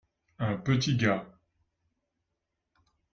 un petit gars.